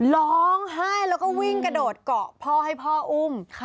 ร้องไห้แล้วก็วิ่งกระโดดเกาะพ่อให้พ่ออุ้ม